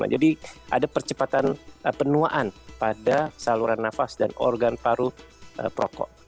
jadi ada percepatan penuaan pada saluran nafas dan organ paru prokok